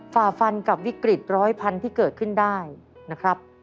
ฝ่าฟันกับวิกฤตร้อยพันธุ์ที่เกิดขึ้นได้นะครับ